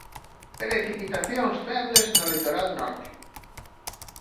Precipitacións febles no litoral norte